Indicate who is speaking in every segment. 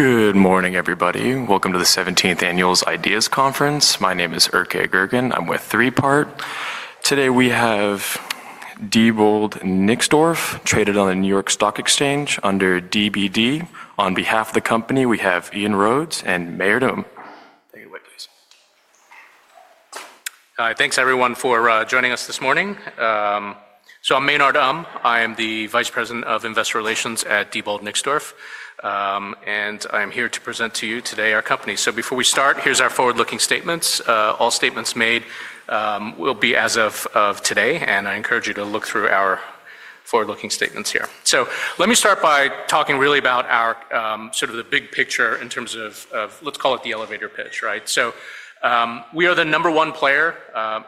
Speaker 1: Good morning, everybody. Welcome to the 17th Annual Ideas Conference. My name is Erké Gurgan. I'm with Three Part. Today we have Diebold Nixdorf, traded on the New York Stock Exchange under DBD. On behalf of the company, we have Ian Rhodes and Maynard. Take it away, please.
Speaker 2: Thanks, everyone, for joining us this morning. I'm Maynard Um. I am the Vice President of Investor Relations at Diebold Nixdorf, and I am here to present to you today our company. Before we start, here is our forward-looking statements. All statements made will be as of today, and I encourage you to look through our forward-looking statements here. Let me start by talking really about our sort of the big picture in terms of, let's call it the elevator pitch, right? We are the number one player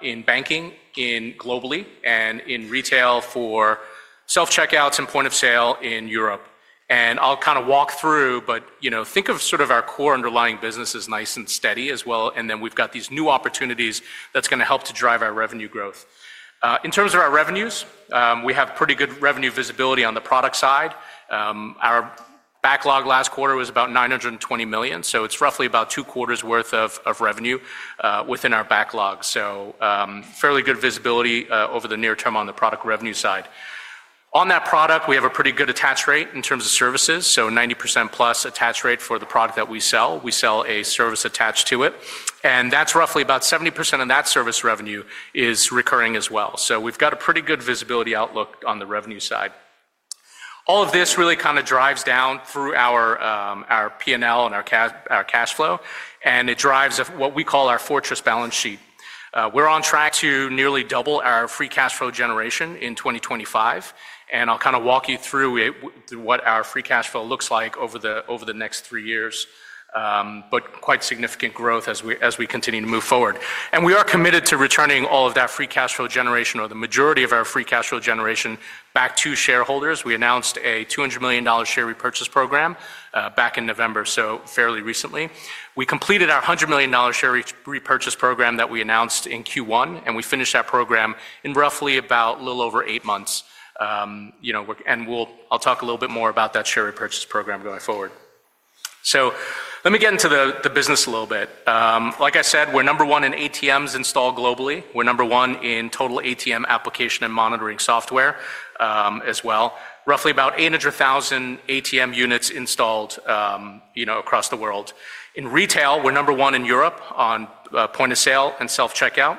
Speaker 2: in banking globally and in retail for self-checkouts and point of sale in Europe. I'll kind of walk through, but think of sort of our core underlying business as nice and steady as well. Then we've got these new opportunities that's going to help to drive our revenue growth. In terms of our revenues, we have pretty good revenue visibility on the product side. Our backlog last quarter was about $920 million, so it's roughly about two quarters' worth of revenue within our backlog. Fairly good visibility over the near term on the product revenue side. On that product, we have a pretty good attach rate in terms of services, so 90%+ attach rate for the product that we sell. We sell a service attached to it, and that's roughly about 70% of that service revenue is recurring as well. We've got a pretty good visibility outlook on the revenue side. All of this really kind of drives down through our P&L and our cash flow, and it drives what we call our fortress balance sheet. We're on track to nearly double our free cash flow generation in 2025. And I'll kind of walk you through what our free cash flow looks like over the next three years, but quite significant growth as we continue to move forward. We are committed to returning all of that free cash flow generation, or the majority of our free cash flow generation, back to shareholders. We announced a $200 million share repurchase program back in November, so fairly recently. We completed our $100 million share repurchase program that we announced in Q1, and we finished that program in roughly about a little over eight months. I'll talk a little bit more about that share repurchase program going forward. Let me get into the business a little bit. Like I said, we're number one in ATMs installed globally. We're number one in total ATM application and monitoring software as well. Roughly about 800,000 ATM units installed across the world. In retail, we're number one in Europe on point of sale and self-checkout,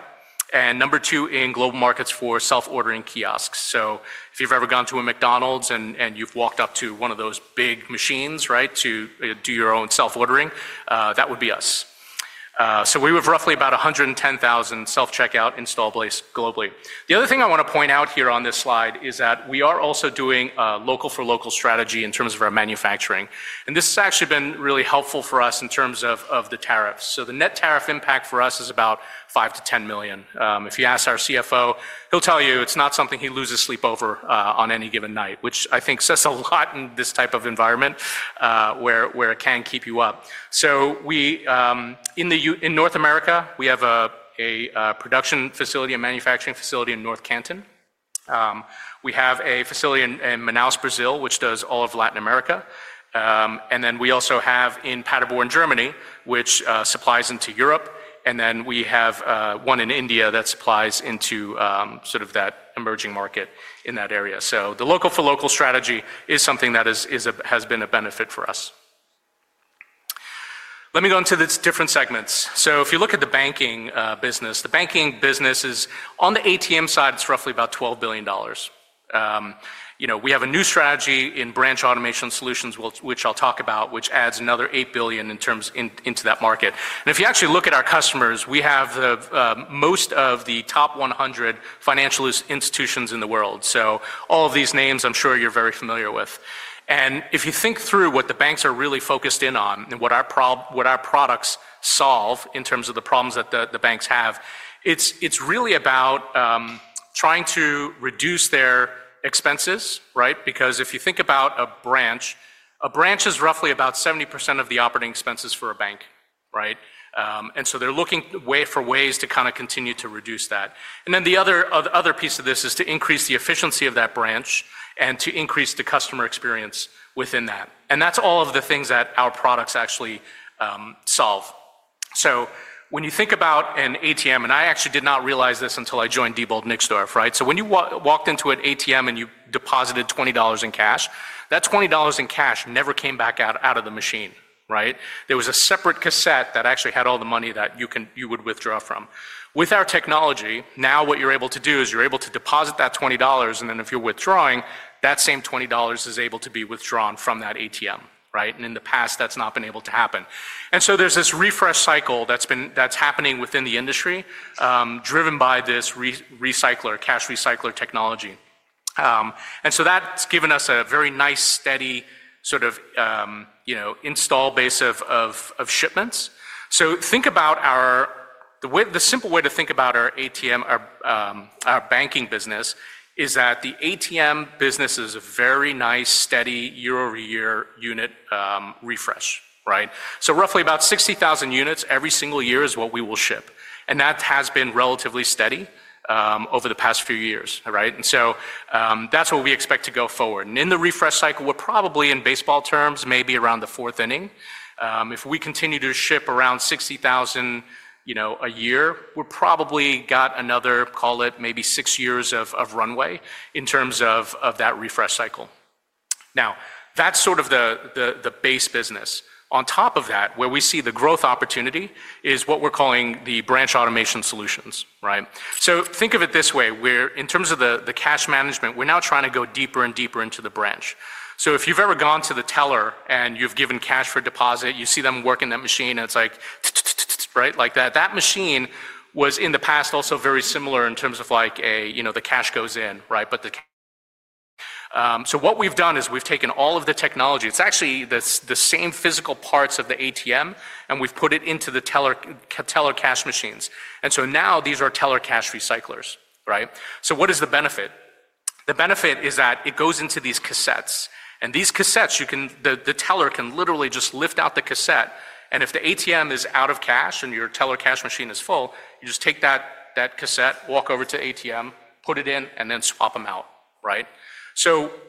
Speaker 2: and number two in global markets for self-ordering kiosks. If you've ever gone to a McDonald's and you've walked up to one of those big machines to do your own self-ordering, that would be us. We have roughly about 110,000 self-checkout installed globally. The other thing I want to point out here on this slide is that we are also doing a local-for-local strategy in terms of our manufacturing. This has actually been really helpful for us in terms of the tariffs. The net tariff impact for us is about $5-$10 million. If you ask our CFO, he'll tell you it's not something he loses sleep over on any given night, which I think says a lot in this type of environment where it can keep you up. In North America, we have a production facility, a manufacturing facility in North Canton. We have a facility in Manaus, Brazil, which does all of Latin America. We also have in Paderborn, Germany, which supplies into Europe. We have one in India that supplies into sort of that emerging market in that area. The local-for-local strategy is something that has been a benefit for us. Let me go into the different segments. If you look at the banking business, the banking business is on the ATM side, it's roughly about $12 billion. We have a new strategy in branch automation solutions, which I'll talk about, which adds another $8 billion into that market. If you actually look at our customers, we have most of the top 100 financial institutions in the world. All of these names, I'm sure you're very familiar with. If you think through what the banks are really focused in on and what our products solve in terms of the problems that the banks have, it's really about trying to reduce their expenses, right? Because if you think about a branch, a branch is roughly about 70% of the operating expenses for a bank, right? They are looking for ways to kind of continue to reduce that. The other piece of this is to increase the efficiency of that branch and to increase the customer experience within that. That's all of the things that our products actually solve. When you think about an ATM, and I actually did not realize this until I joined Diebold Nixdorf, right? When you walked into an ATM and you deposited $20 in cash, that $20 in cash never came back out of the machine, right? There was a separate cassette that actually had all the money that you would withdraw from. With our technology, now what you're able to do is you're able to deposit that $20, and then if you're withdrawing, that same $20 is able to be withdrawn from that ATM, right? In the past, that's not been able to happen. There is this refresh cycle that's happening within the industry driven by this cash recycler technology. That's given us a very nice, steady sort of install base of shipments. Think about our simple way to think about our banking business is that the ATM business is a very nice, steady year-over-year unit refresh, right? Roughly about 60,000 units every single year is what we will ship. That has been relatively steady over the past few years, right? That is what we expect to go forward. In the refresh cycle, we're probably in baseball terms, maybe around the fourth inning. If we continue to ship around 60,000 a year, we've probably got another, call it maybe six years of runway in terms of that refresh cycle. That is sort of the base business. On top of that, where we see the growth opportunity is what we're calling the branch automation solutions, right? Think of it this way. In terms of the cash management, we're now trying to go deeper and deeper into the branch. If you've ever gone to the teller and you've given cash for deposit, you see them working that machine, and it's like, right? Like that. That machine was in the past also very similar in terms of like the cash goes in, right? What we've done is we've taken all of the technology. It's actually the same physical parts of the ATM, and we've put it into the teller cash machines. Now these are teller cash recyclers, right? What is the benefit? The benefit is that it goes into these cassettes. These cassettes, the teller can literally just lift out the cassette. If the ATM is out of cash and your teller cash machine is full, you just take that cassette, walk over to ATM, put it in, and then swap them out, right?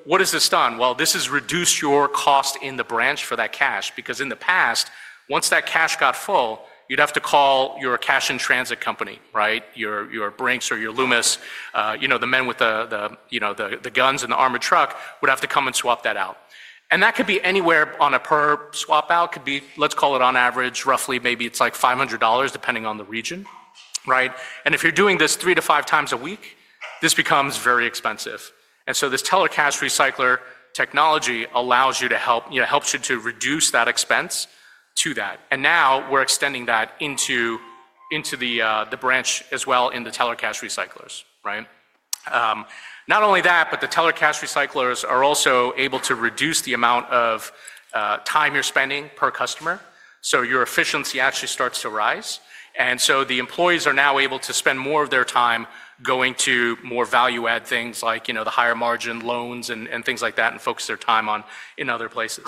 Speaker 2: What has this done? This has reduced your cost in the branch for that cash because in the past, once that cash got full, you'd have to call your cash-in-transit company, right? Your Brinks or your Loomis, the men with the guns and the armored truck would have to come and swap that out. That could be anywhere on a per swap out, let's call it on average, roughly maybe it's like $500 depending on the region, right? If you're doing this three to five times a week, this becomes very expensive. This teller cash recycler technology helps you to reduce that expense. Now we're extending that into the branch as well in the teller cash recyclers, right? Not only that, but the teller cash recyclers are also able to reduce the amount of time you're spending per customer. Your efficiency actually starts to rise. The employees are now able to spend more of their time going to more value-add things like the higher margin loans and things like that and focus their time on in other places.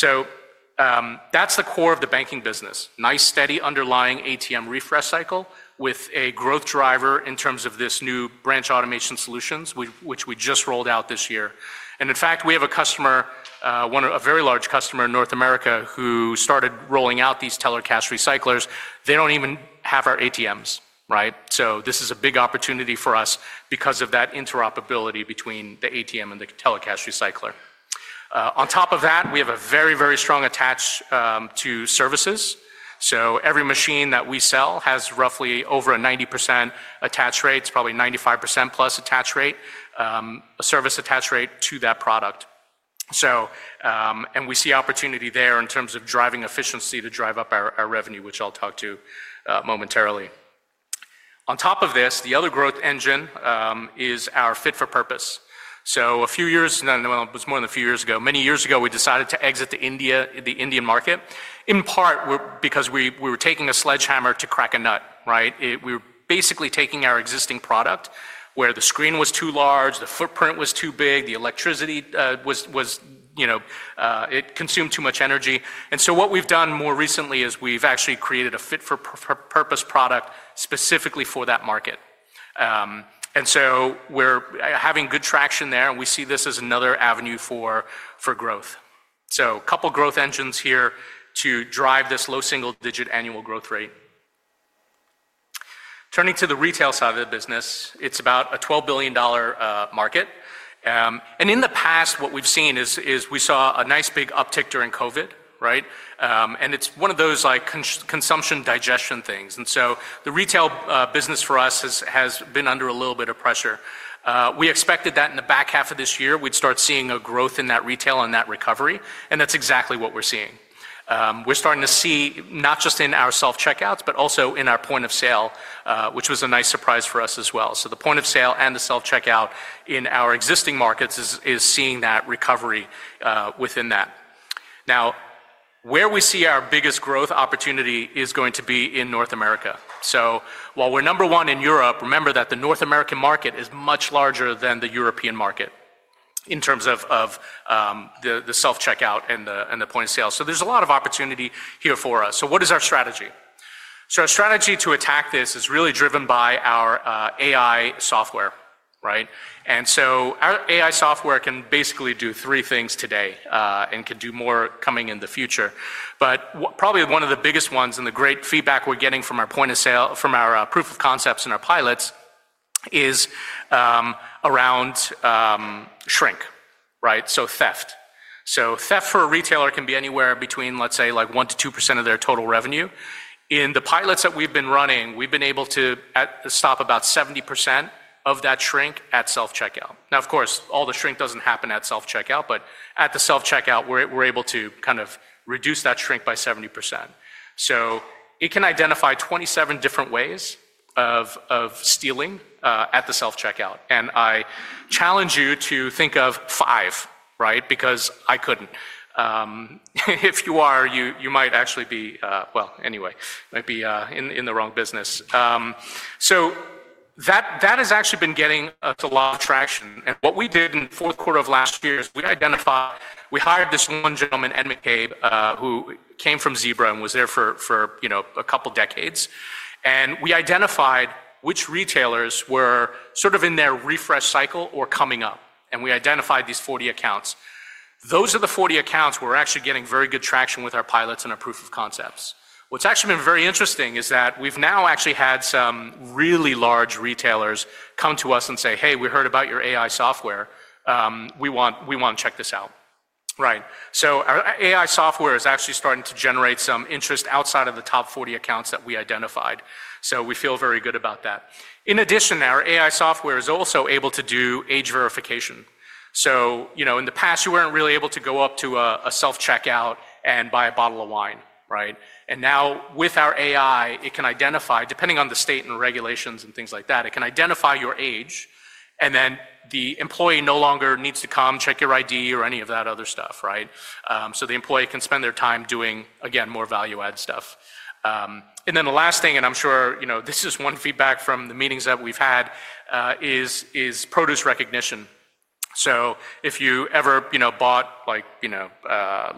Speaker 2: That is the core of the banking business. Nice, steady underlying ATM refresh cycle with a growth driver in terms of this new branch automation solutions, which we just rolled out this year. In fact, we have a customer, a very large customer in North America who started rolling out these teller cash recyclers. They do not even have our ATMs, right? This is a big opportunity for us because of that interoperability between the ATM and the teller cash recycler. On top of that, we have a very, very strong attach to services. Every machine that we sell has roughly over a 90% attach rate, probably 95% plus attach rate, a service attach rate to that product. We see opportunity there in terms of driving efficiency to drive up our revenue, which I'll talk to momentarily. On top of this, the other growth engine is our fit for purpose. A few years, it was more than a few years ago, many years ago, we decided to exit the Indian market in part because we were taking a sledgehammer to crack a nut, right? We were basically taking our existing product where the screen was too large, the footprint was too big, the electricity was, it consumed too much energy. What we've done more recently is we've actually created a fit for purpose product specifically for that market. We're having good traction there, and we see this as another avenue for growth. A couple of growth engines here to drive this low single-digit annual growth rate. Turning to the retail side of the business, it's about a $12 billion market. In the past, what we've seen is we saw a nice big uptick during COVID, right? It's one of those consumption digestion things. The retail business for us has been under a little bit of pressure. We expected that in the back half of this year, we'd start seeing a growth in that retail and that recovery, and that's exactly what we're seeing. We're starting to see not just in our self-checkouts, but also in our point of sale, which was a nice surprise for us as well. The point of sale and the self-checkout in our existing markets is seeing that recovery within that. Now, where we see our biggest growth opportunity is going to be in North America. While we're number one in Europe, remember that the North American market is much larger than the European market in terms of the self-checkout and the point of sale. There is a lot of opportunity here for us. What is our strategy? Our strategy to attack this is really driven by our AI software, right? Our AI software can basically do three things today and can do more coming in the future. Probably one of the biggest ones and the great feedback we're getting from our proof of concepts and our pilots is around shrink, right? Theft. Theft for a retailer can be anywhere between, let's say, like 1%-2% of their total revenue. In the pilots that we've been running, we've been able to stop about 70% of that shrink at self-checkout. Of course, all the shrink doesn't happen at self-checkout, but at the self-checkout, we're able to kind of reduce that shrink by 70%. It can identify 27 different ways of stealing at the self-checkout. I challenge you to think of five, right? Because I couldn't. If you are, you might actually be, well, anyway, might be in the wrong business. That has actually been getting a lot of traction. What we did in the fourth quarter of last year is we identified, we hired this one gentleman, Ed McCabe, who came from Zebra and was there for a couple of decades. We identified which retailers were sort of in their refresh cycle or coming up. We identified these 40 accounts. Those are the 40 accounts where we're actually getting very good traction with our pilots and our proof of concepts. What's actually been very interesting is that we've now actually had some really large retailers come to us and say, "Hey, we heard about your AI software. We want to check this out." Right? Our AI software is actually starting to generate some interest outside of the top 40 accounts that we identified. We feel very good about that. In addition, our AI software is also able to do age verification. In the past, you weren't really able to go up to a self-checkout and buy a bottle of wine, right? Now with our AI, it can identify, depending on the state and regulations and things like that, it can identify your age. The employee no longer needs to come check your ID or any of that other stuff, right? The employee can spend their time doing, again, more value-add stuff. The last thing, and I'm sure this is one feedback from the meetings that we've had, is produce recognition. If you ever bought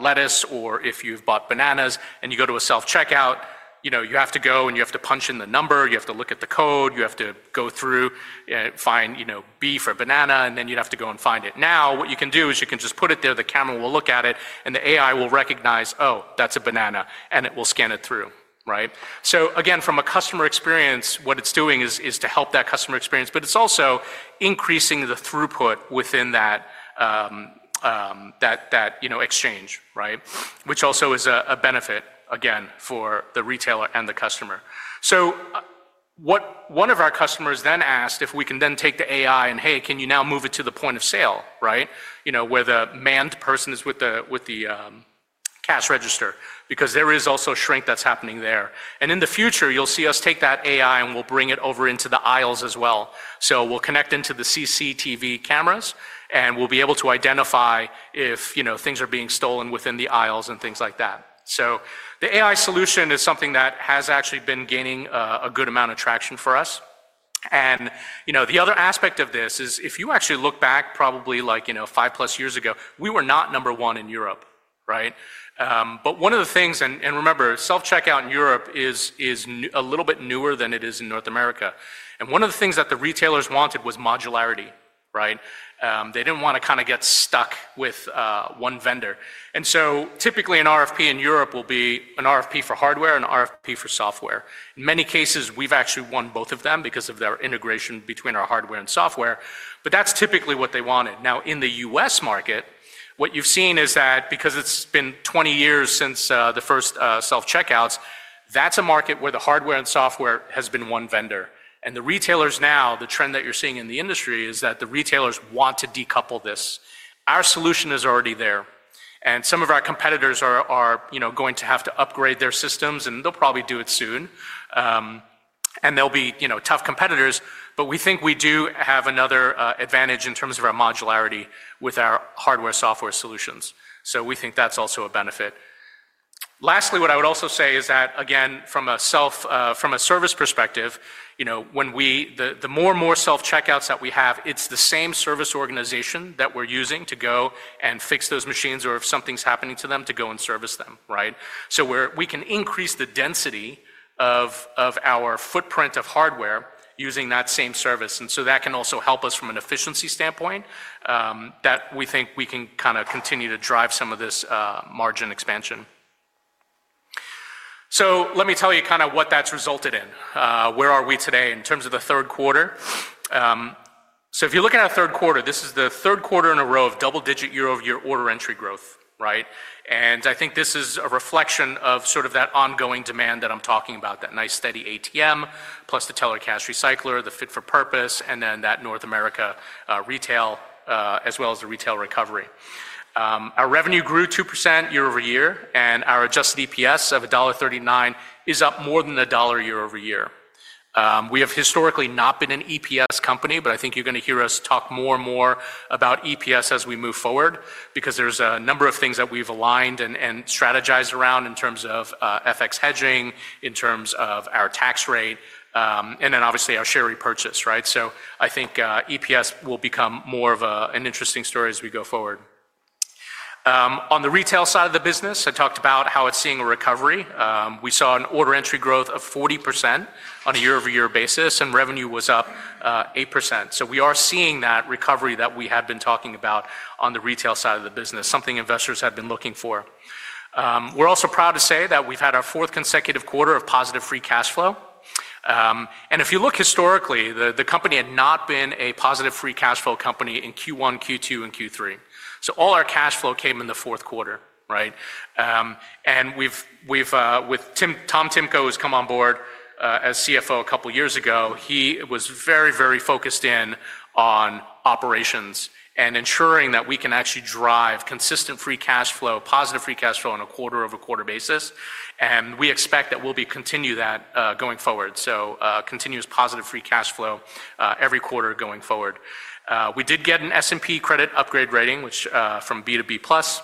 Speaker 2: lettuce or if you've bought bananas and you go to a self-checkout, you have to go and you have to punch in the number, you have to look at the code, you have to go through and find beef or banana, and then you'd have to go and find it. Now, what you can do is you can just put it there, the camera will look at it, and the AI will recognize, "Oh, that's a banana," and it will scan it through, right? From a customer experience, what it's doing is to help that customer experience, but it's also increasing the throughput within that exchange, right? Which also is a benefit, again, for the retailer and the customer. One of our customers then asked if we can then take the AI and, "Hey, can you now move it to the point of sale," right? Where the manned person is with the cash register because there is also shrink that's happening there. In the future, you'll see us take that AI and we'll bring it over into the aisles as well. We'll connect into the CCTV cameras and we'll be able to identify if things are being stolen within the aisles and things like that. The AI solution is something that has actually been gaining a good amount of traction for us. The other aspect of this is if you actually look back, probably like five plus years ago, we were not number one in Europe, right? One of the things, and remember, self-checkout in Europe is a little bit newer than it is in North America. One of the things that the retailers wanted was modularity, right? They did not want to kind of get stuck with one vendor. Typically an RFP in Europe will be an RFP for hardware, an RFP for software. In many cases, we've actually won both of them because of the integration between our hardware and software. That is typically what they wanted. Now, in the U.S. market, what you have seen is that because it has been 20 years since the first self-checkouts, that is a market where the hardware and software has been one vendor. The retailers now, the trend that you are seeing in the industry is that the retailers want to decouple this. Our solution is already there. Some of our competitors are going to have to upgrade their systems, and they will probably do it soon. They will be tough competitors, but we think we do have another advantage in terms of our modularity with our hardware-software solutions. We think that is also a benefit. Lastly, what I would also say is that, again, from a service perspective, the more and more self-checkouts that we have, it's the same service organization that we're using to go and fix those machines or if something's happening to them to go and service them, right? We can increase the density of our footprint of hardware using that same service. That can also help us from an efficiency standpoint that we think we can kind of continue to drive some of this margin expansion. Let me tell you kind of what that's resulted in. Where are we today in terms of the third quarter? If you look at our third quarter, this is the third quarter in a row of double-digit year-over-year order entry growth, right? I think this is a reflection of sort of that ongoing demand that I'm talking about, that nice steady ATM plus the teller cash recycler, the fit for purpose, and then that North America retail as well as the retail recovery. Our revenue grew 2% year-over-year, and our adjusted EPS of $1.39 is up more than $1 year-over-year. We have historically not been an EPS company, but I think you're going to hear us talk more and more about EPS as we move forward because there's a number of things that we've aligned and strategized around in terms of FX hedging, in terms of our tax rate, and then obviously our share repurchase, right? I think EPS will become more of an interesting story as we go forward. On the retail side of the business, I talked about how it's seeing a recovery. We saw an order entry growth of 40% on a year-over-year basis, and revenue was up 8%. We are seeing that recovery that we have been talking about on the retail side of the business, something investors have been looking for. We are also proud to say that we have had our fourth consecutive quarter of positive free cash flow. If you look historically, the company had not been a positive free cash flow company in Q1, Q2, and Q3. All our cash flow came in the fourth quarter, right? With Tom Timko who has come on board as CFO a couple of years ago, he was very, very focused in on operations and ensuring that we can actually drive consistent free cash flow, positive free cash flow on a quarter-over-quarter basis. We expect that we will continue that going forward. Continuous positive free cash flow every quarter going forward. We did get an S&P credit upgrade rating from B2B+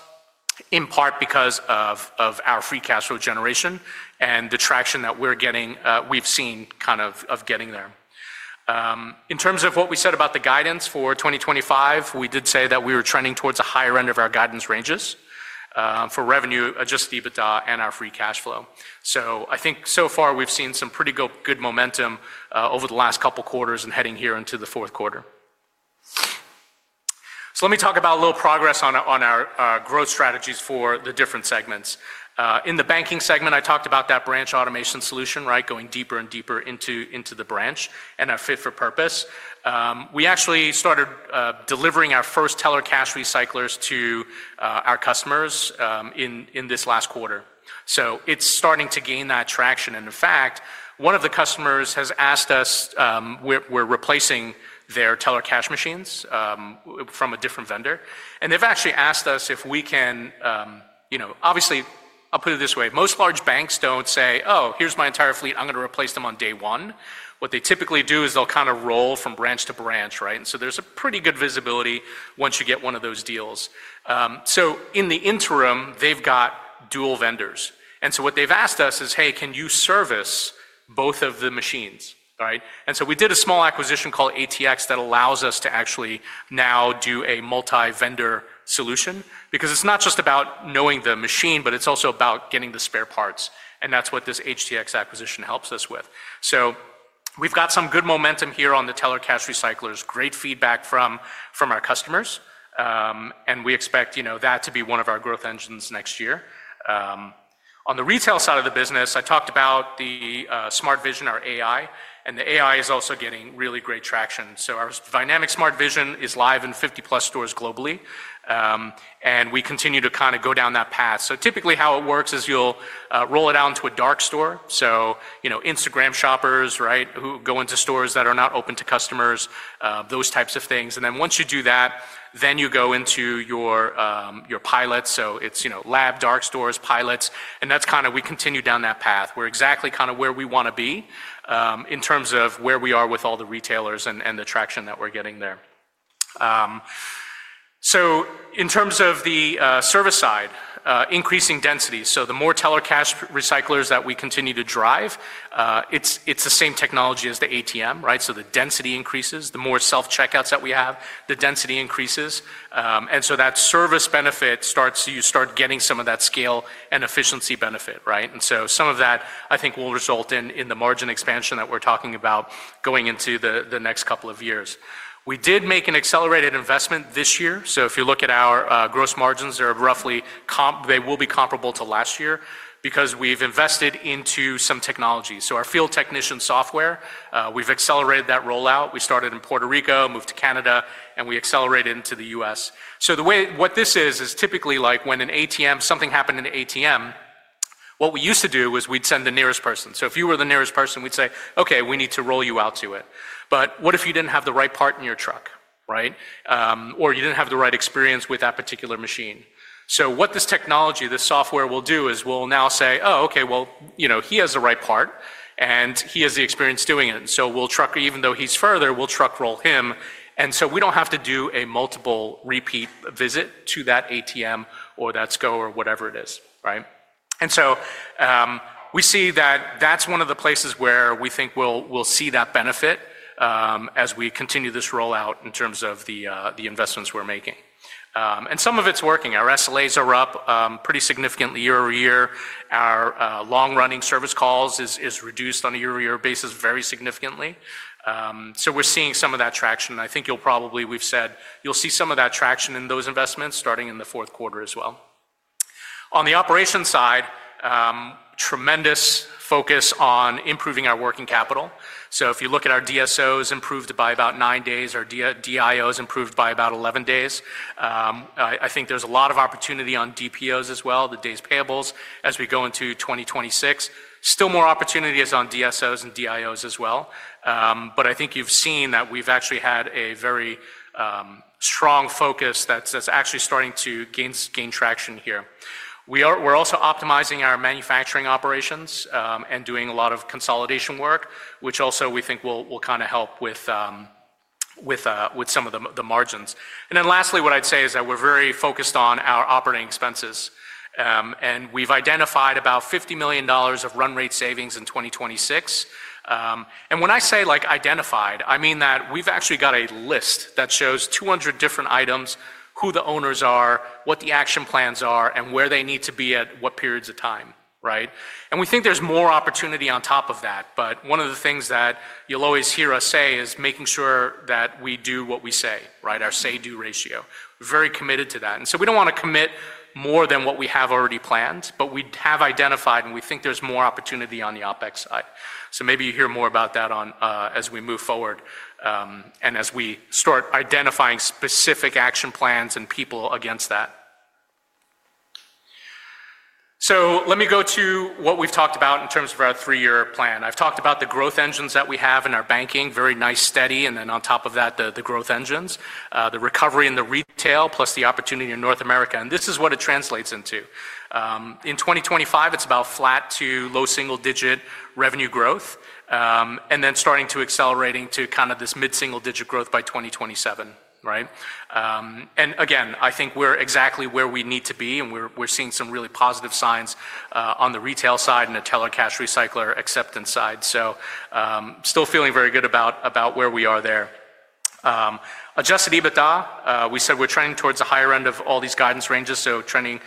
Speaker 2: in part because of our free cash flow generation and the traction that we've seen kind of getting there. In terms of what we said about the guidance for 2025, we did say that we were trending towards the higher end of our guidance ranges for revenue, adjusted EBITDA, and our free cash flow. I think so far we've seen some pretty good momentum over the last couple of quarters and heading here into the fourth quarter. Let me talk about a little progress on our growth strategies for the different segments. In the banking segment, I talked about that branch automation solution, right? Going deeper and deeper into the branch and our fit for purpose. We actually started delivering our first teller cash recyclers to our customers in this last quarter. It is starting to gain that traction. In fact, one of the customers has asked us, we are replacing their teller cash machines from a different vendor. They have actually asked us if we can, obviously, I will put it this way. Most large banks do not say, "Oh, here is my entire fleet. I am going to replace them on day one." What they typically do is they will kind of roll from branch to branch, right? There is a pretty good visibility once you get one of those deals. In the interim, they have dual vendors. What they have asked us is, "Hey, can you service both of the machines?" Right? We did a small acquisition called ATX that allows us to actually now do a multi-vendor solution because it's not just about knowing the machine, but it's also about getting the spare parts. That's what this ATX acquisition helps us with. We've got some good momentum here on the teller cash recyclers, great feedback from our customers. We expect that to be one of our growth engines next year. On the retail side of the business, I talked about the smart vision, our AI, and the AI is also getting really great traction. Our dynamic smart vision is live in 50-plus stores globally. We continue to kind of go down that path. Typically how it works is you'll roll it out into a dark store. Instagram shoppers, right, who go into stores that are not open to customers, those types of things. Once you do that, you go into your pilots. It is lab, dark stores, pilots. That is kind of we continue down that path. We are exactly kind of where we want to be in terms of where we are with all the retailers and the traction that we are getting there. In terms of the service side, increasing density. The more teller cash recyclers that we continue to drive, it is the same technology as the ATM, right? The density increases. The more self-checkouts that we have, the density increases. That service benefit starts to you start getting some of that scale and efficiency benefit, right? Some of that, I think, will result in the margin expansion that we're talking about going into the next couple of years. We did make an accelerated investment this year. If you look at our gross margins, they will be comparable to last year because we've invested into some technologies. Our field technician software, we've accelerated that rollout. We started in Puerto Rico, moved to Canada, and we accelerated into the U.S. What this is, is typically like when an ATM, something happened in the ATM, what we used to do was we'd send the nearest person. If you were the nearest person, we'd say, "Okay, we need to roll you out to it." What if you didn't have the right part in your truck, right? Or you didn't have the right experience with that particular machine. What this technology, this software will do is we'll now say, "Oh, okay, well, he has the right part, and he has the experience doing it." We will truck, even though he's further, we'll truck roll him. We don't have to do a multiple repeat visit to that ATM or that scope or whatever it is, right? We see that that's one of the places where we think we'll see that benefit as we continue this rollout in terms of the investments we're making. Some of it's working. Our SLAs are up pretty significantly year-over-year. Our long-running service calls is reduced on a year-over-year basis very significantly. We're seeing some of that traction. I think you'll probably, we've said, you'll see some of that traction in those investments starting in the fourth quarter as well. On the operations side, tremendous focus on improving our working capital. If you look at our DSOs, improved by about nine days. Our DIOs improved by about 11 days. I think there's a lot of opportunity on DPOs as well, the day's payables, as we go into 2026. Still more opportunities on DSOs and DIOs as well. I think you've seen that we've actually had a very strong focus that's actually starting to gain traction here. We're also optimizing our manufacturing operations and doing a lot of consolidation work, which also we think will kind of help with some of the margins. Lastly, what I'd say is that we're very focused on our operating expenses. We've identified about $50 million of run rate savings in 2026. When I say identified, I mean that we've actually got a list that shows 200 different items, who the owners are, what the action plans are, and where they need to be at what periods of time, right? We think there's more opportunity on top of that. One of the things that you'll always hear us say is making sure that we do what we say, right? Our say-do ratio. We're very committed to that. We don't want to commit more than what we have already planned, but we have identified and we think there's more opportunity on the OPEX side. Maybe you hear more about that as we move forward and as we start identifying specific action plans and people against that. Let me go to what we've talked about in terms of our three-year plan. I've talked about the growth engines that we have in our banking, very nice steady, and then on top of that, the growth engines, the recovery in the retail plus the opportunity in North America. This is what it translates into. In 2025, it's about flat to low single-digit revenue growth and then starting to accelerating to kind of this mid-single-digit growth by 2027, right? I think we're exactly where we need to be, and we're seeing some really positive signs on the retail side and the teller cash recycler acceptance side. Still feeling very good about where we are there. Adjusted EBITDA, we said we're trending towards the higher end of all these guidance ranges, so trending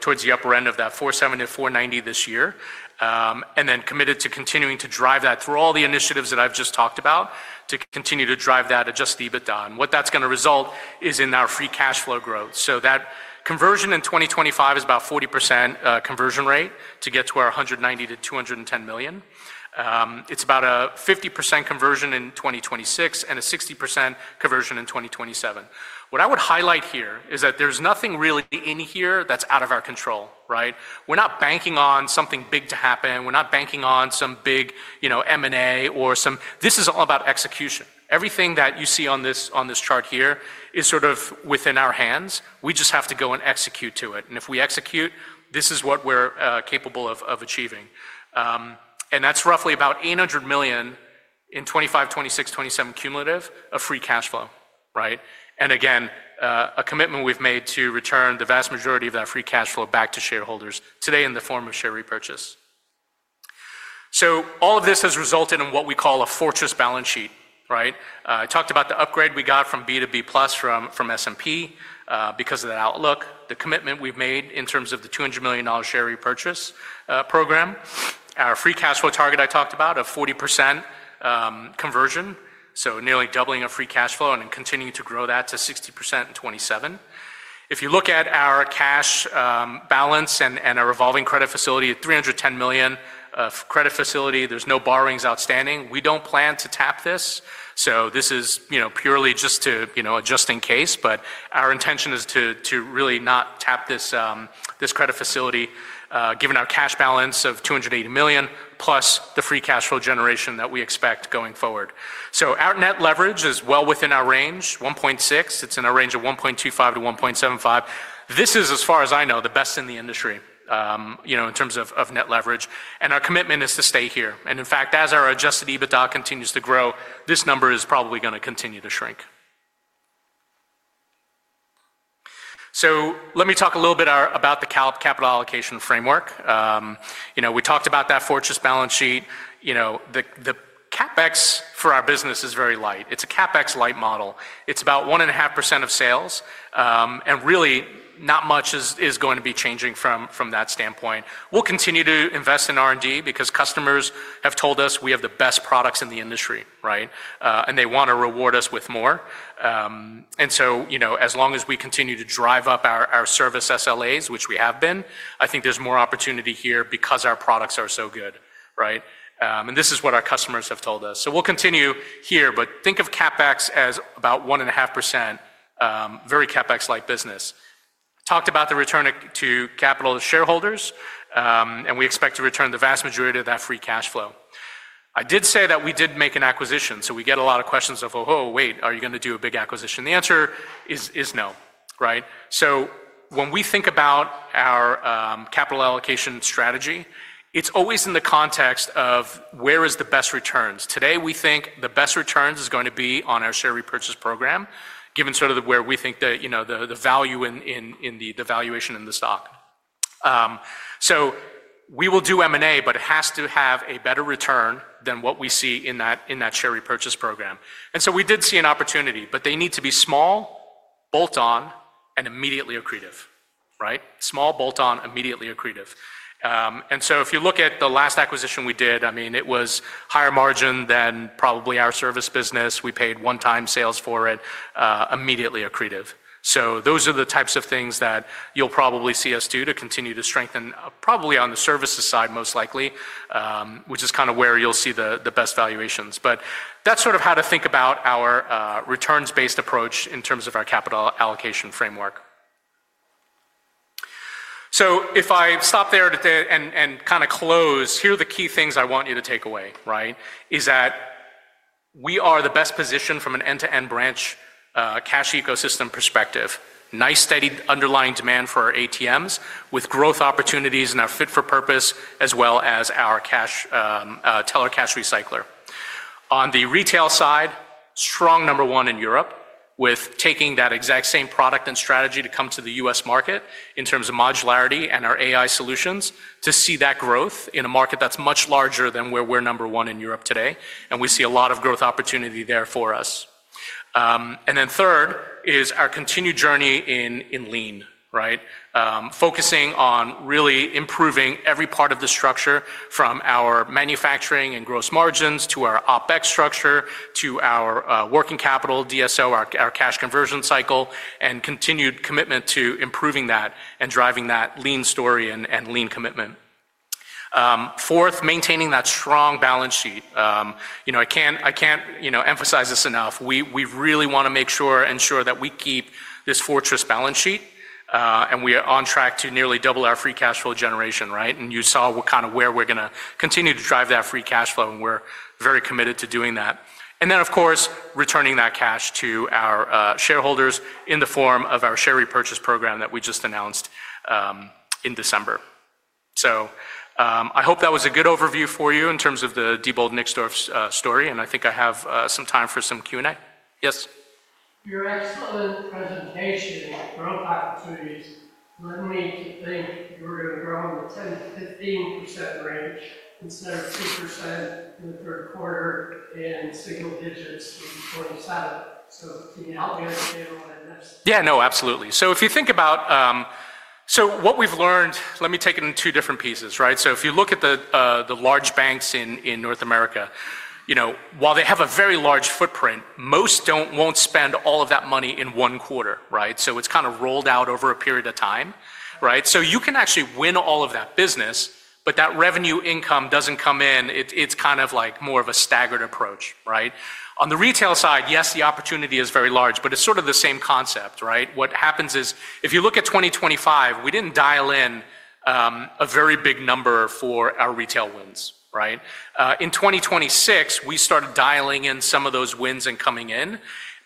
Speaker 2: towards the upper end of that $470-$490 this year. I am committed to continuing to drive that through all the initiatives that I've just talked about to continue to drive that adjusted EBITDA. What that's going to result in is our free cash flow growth. That conversion in 2025 is about 40% conversion rate to get to our $190 million-$210 million. It's about a 50% conversion in 2026 and a 60% conversion in 2027. What I would highlight here is that there's nothing really in here that's out of our control, right? We're not banking on something big to happen. We're not banking on some big M&A or some. This is all about execution. Everything that you see on this chart here is sort of within our hands. We just have to go and execute to it. If we execute, this is what we're capable of achieving. That's roughly about $800 million in 2025, 2026, 2027 cumulative of free cash flow, right? Again, a commitment we've made to return the vast majority of that free cash flow back to shareholders today in the form of share repurchase. All of this has resulted in what we call a fortress balance sheet, right? I talked about the upgrade we got to B2B+ from S&P because of that outlook, the commitment we've made in terms of the $200 million share repurchase program, our free cash flow target I talked about of 40% conversion, so nearly doubling our free cash flow and continuing to grow that to 60% in 2027. If you look at our cash balance and our revolving credit facility, $310 million of credit facility, there's no borrowings outstanding. We don't plan to tap this. This is purely just to adjust in case, but our intention is to really not tap this credit facility given our cash balance of $280 million plus the free cash flow generation that we expect going forward. Our net leverage is well within our range, 1.6. It's in our range of 1.25-1.75. This is, as far as I know, the best in the industry in terms of net leverage. Our commitment is to stay here. In fact, as our adjusted EBITDA continues to grow, this number is probably going to continue to shrink. Let me talk a little bit about the capital allocation framework. We talked about that fortress balance sheet. The CapEx for our business is very light. It's a CapEx light model. It's about 1.5% of sales. Really, not much is going to be changing from that standpoint. We'll continue to invest in R&D because customers have told us we have the best products in the industry, right? They want to reward us with more. As long as we continue to drive up our service SLAs, which we have been, I think there's more opportunity here because our products are so good, right? This is what our customers have told us. We'll continue here, but think of CapEx as about 1.5%, very CapEx-like business. Talked about the return to capital of shareholders, and we expect to return the vast majority of that free cash flow. I did say that we did make an acquisition. We get a lot of questions of, "Oh, wait, are you going to do a big acquisition?" The answer is no, right? When we think about our capital allocation strategy, it's always in the context of where are the best returns. Today, we think the best returns is going to be on our share repurchase program, given sort of where we think the value in the valuation in the stock. We will do M&A, but it has to have a better return than what we see in that share repurchase program. We did see an opportunity, but they need to be small, bolt-on, and immediately accretive, right? Small, bolt-on, immediately accretive. If you look at the last acquisition we did, I mean, it was higher margin than probably our service business. We paid one-time sales for it, immediately accretive. Those are the types of things that you'll probably see us do to continue to strengthen, probably on the services side, most likely, which is kind of where you'll see the best valuations. That is sort of how to think about our returns-based approach in terms of our capital allocation framework. If I stop there and kind of close, here are the key things I want you to take away, right? We are the best positioned from an end-to-end branch cash ecosystem perspective. Nice steady underlying demand for our ATMs with growth opportunities and our fit for purpose as well as our teller cash recycler. On the retail side, strong number one in Europe with taking that exact same product and strategy to come to the U.S. market in terms of modularity and our AI solutions to see that growth in a market that's much larger than where we're number one in Europe today. We see a lot of growth opportunity there for us. Third is our continued journey in lean, right? Focusing on really improving every part of the structure from our manufacturing and gross margins to our OPEX structure to our working capital, DSO, our cash conversion cycle, and continued commitment to improving that and driving that lean story and lean commitment. Fourth, maintaining that strong balance sheet. I can't emphasize this enough. We really want to make sure and ensure that we keep this fortress balance sheet, and we are on track to nearly double our free cash flow generation, right? You saw kind of where we are going to continue to drive that free cash flow, and we are very committed to doing that. Of course, returning that cash to our shareholders in the form of our share repurchase program that we just announced in December. I hope that was a good overview for you in terms of the Diebold Nixdorf story, and I think I have some time for some Q&A. Yes. Your excellent presentation brought opportunities. Let me think you were going to grow in the 10%-15% range instead of 2% in the third quarter and single digits in 2027. Can you help me understand what I missed? Yeah, no, absolutely. If you think about what we've learned, let me take it in two different pieces, right? If you look at the large banks in North America, while they have a very large footprint, most won't spend all of that money in one quarter, right? It's kind of rolled out over a period of time, right? You can actually win all of that business, but that revenue income doesn't come in. It's kind of more of a staggered approach, right? On the retail side, yes, the opportunity is very large, but it's sort of the same concept, right? What happens is if you look at 2025, we didn't dial in a very big number for our retail wins, right? In 2026, we started dialing in some of those wins and coming in.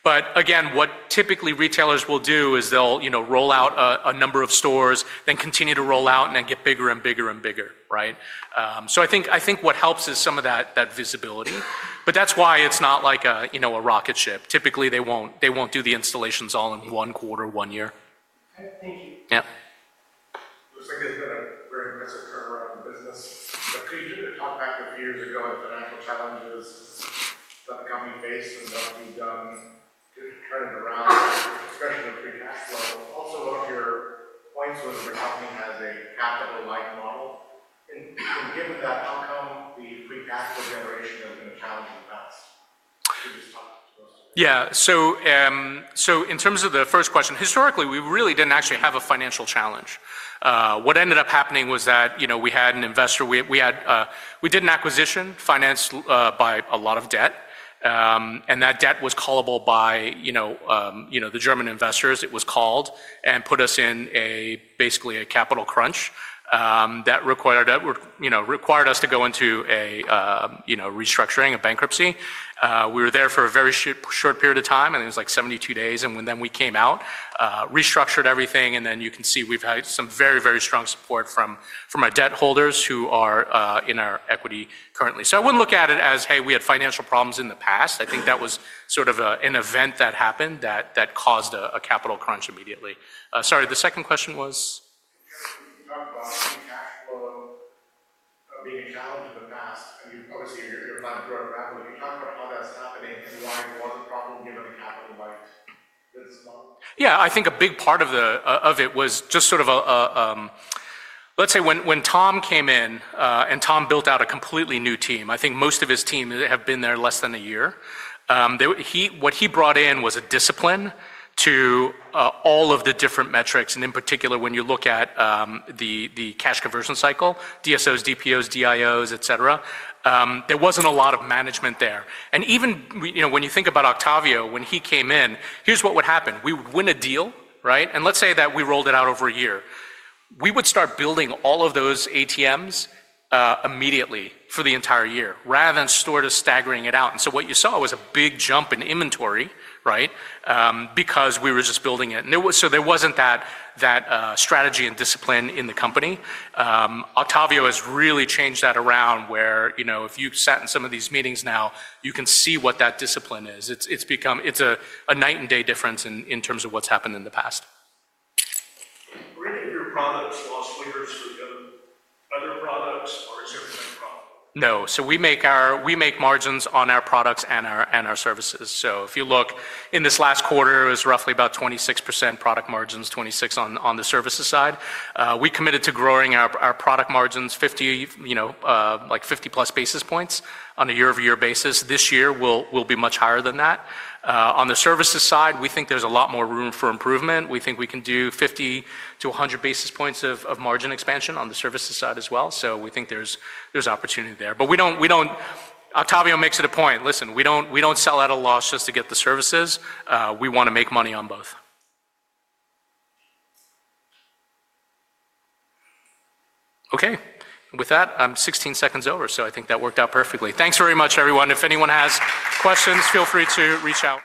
Speaker 2: What typically retailers will do is they'll roll out a number of stores, then continue to roll out and then get bigger and bigger and bigger, right? I think what helps is some of that visibility. That's why it's not like a rocket ship. Typically, they won't do the installations all in one quarter, one year. Yeah. Looks like there's been a very impressive turnaround in business. Can you talk back a few years ago and financial challenges that the company faced and what you've done to turn it around, especially with free cash flow? Also, what are your points when the company has a capital-light model? Given that outcome, the free cash flow generation has been a challenge in the past. You can just talk to us. Yeah. In terms of the first question, historically, we really did not actually have a financial challenge. What ended up happening was that we had an investor. We did an acquisition financed by a lot of debt. That debt was callable by the German investors. It was called and put us in basically a capital crunch that required us to go into a restructuring, a bankruptcy. We were there for a very short period of time, and it was like 72 days. We came out, restructured everything. You can see we have had some very, very strong support from our debt holders who are in our equity currently. I would not look at it as, "Hey, we had financial problems in the past." I think that was sort of an event that happened that caused a capital crunch immediately. Sorry, the second question was? Talk about free cash flow being a challenge in the past. I mean, obviously, you're finally growing rapidly. Can you talk about how that's happening and why it was a problem given the capital rights that's gone? Yeah. I think a big part of it was just sort of, let's say when Tom came in and Tom built out a completely new team, I think most of his team have been there less than a year. What he brought in was a discipline to all of the different metrics. In particular, when you look at the cash conversion cycle, DSOs, DPOs, DIOs, etc., there wasn't a lot of management there. Even when you think about Octavio, when he came in, here's what would happen. We would win a deal, right? Let's say that we rolled it out over a year. We would start building all of those ATMs immediately for the entire year rather than sort of staggering it out. What you saw was a big jump in inventory, right, because we were just building it. There was not that strategy and discipline in the company. Octavio has really changed that around where if you sat in some of these meetings now, you can see what that discipline is. It is a night and day difference in terms of what has happened in the past. Where did your products lose winners for other products, or is there a net profit? No. We make margins on our products and our services. If you look, in this last quarter, it was roughly about 26% product margins, 26% on the services side. We committed to growing our product margins like 50-plus basis points on a year-over-year basis. This year, we'll be much higher than that. On the services side, we think there's a lot more room for improvement. We think we can do 50-100 basis points of margin expansion on the services side as well. We think there's opportunity there. Octavio makes it a point. Listen, we don't sell at a loss just to get the services. We want to make money on both. Okay. With that, I'm 16 seconds over, so I think that worked out perfectly. Thanks very much, everyone. If anyone has questions, feel free to reach out.